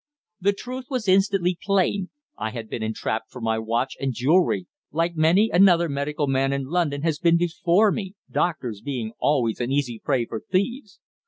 The truth was instantly plain. I had been entrapped for my watch and jewellery like many another medical man in London has been before me; doctors being always an easy prey for thieves.